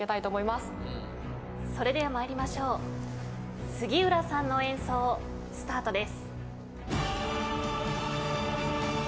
それでは参りましょう杉浦さんの演奏スタートです。